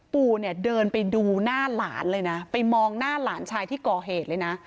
ปู่เนี่ยเดินไปดูหน้าหลานเลยนะไปมองหน้าหลานชายที่ก่อเหตุเลยนะ